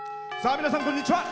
皆さん、こんにちは。